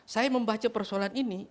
saya membaca persoalan ini